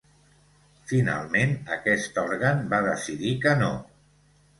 Finalment aquest òrgan va decidir que no.